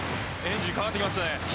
エンジンかかってきましたね。